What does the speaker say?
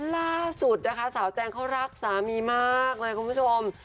ล่าสุดนะคะสาวแจงเขารักสามีมากเลยคุณผู้ชม